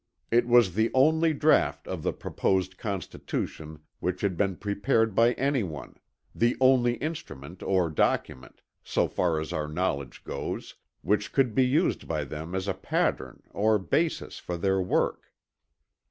It was the only draught of the proposed constitution which had been prepared by anyone the only instrument or document, so far as our knowledge goes, which could be used by them as a pattern or basis for their work.